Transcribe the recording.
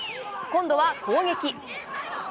今度は攻撃。